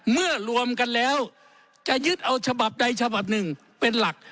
รวมกันแล้วจะยึดเอาฉบับใดฉบับหนึ่งเป็นหลัก